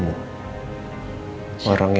orang yang ganti passwordnya